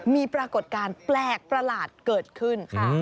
มีปรากฏการณ์แปลกประหลาดเกิดขึ้นค่ะ